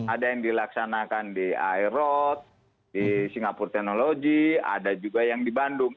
ada yang dilaksanakan di aeroad di singapura technology ada juga yang di bandung